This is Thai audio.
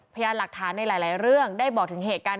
พยานหลักฐานในหลายเรื่องได้บอกถึงเหตุการณ์